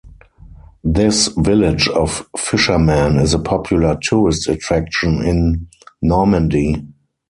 This village of fishermen is a popular tourist attraction in Normandy.